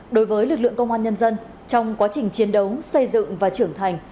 đối với lực lượng công an nhân dân trong quá trình chiến đấu xây dựng và trưởng thành